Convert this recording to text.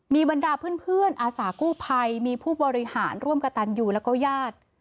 มีบรรดาเพื่อนอาสากู้ภัยมีผู้บริหารร่วมกับตันยูแล้วก็ญาติ